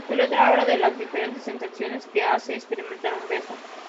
Su letra habla de las diferentes sensaciones que hace experimentar un beso.